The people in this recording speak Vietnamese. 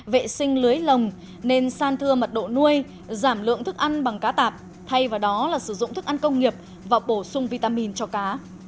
vệ sinh lưới lồng nên san thưa mật độ nuôi giảm lượng thức ăn bằng cá tạp thay vào đó là sử dụng thức ăn công nghiệp và bổ sung vitamin cho cá